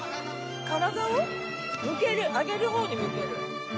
体を向ける上げる方に向ける。